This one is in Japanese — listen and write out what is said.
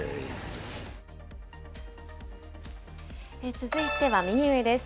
続いては右上です。